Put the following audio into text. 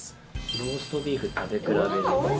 ローストビーフ食べ比べです。